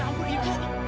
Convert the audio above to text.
ya ampun ibu